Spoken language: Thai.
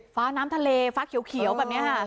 ฟ้าน้ำทะเลฟ้าเขียวแบบนี้ค่ะ